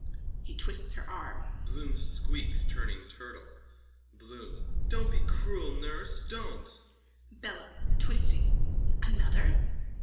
(He twists her arm. Bloom squeals, turning turtle.) BLOOM: Don't be cruel, nurse! Don't! BELLO: (Twisting.) Another!